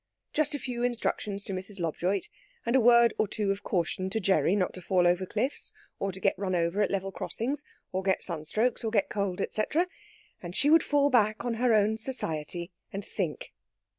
Just a few instructions to Mrs. Lobjoit, and a word or two of caution to Gerry not to fall over cliffs, or to get run over at level crossings or get sunstrokes, or get cold, etc., and she would fall back on her own society and think....